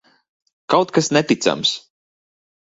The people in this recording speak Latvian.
Kaut kas neticams!